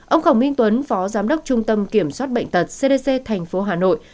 ông khổng minh tuấn phó giám đốc trung tâm kiểm soát bệnh tật cdc tp hà nội